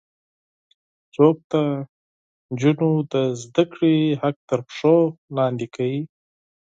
څوک د نجونو د زده کړې حق تر پښو لاندې کوي؟